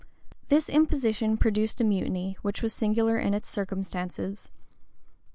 This imposition produced a mutiny, which was singular in its circumstances.